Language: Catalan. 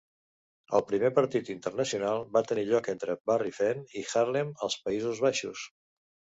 El primer partit internacional va tenir lloc entre Bury Fen i Haarlem als Països Baixos.